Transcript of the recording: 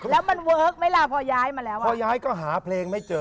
แล้วมันเวิร์กเนี่ยพอย้ายพอย้ายก็หาเพลงไม่เจอ